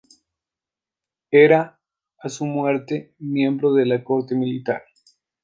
Era, a su muerte, miembro de la Corte Militar.